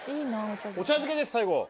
お茶漬けです最後。